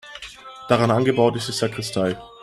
Daran angebaut ist die Sakristei.